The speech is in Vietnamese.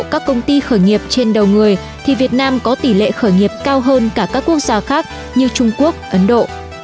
các công ty khởi nghiệp trên đầu người thì việt nam có tỷ lệ khởi nghiệp cao hơn cả các quốc gia khác như trung quốc ấn độ